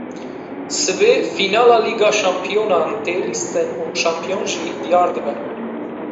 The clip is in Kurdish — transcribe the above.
Sibê fînala Lîga Şampiyonan tê lîstin û şampiyon jî diyar dibe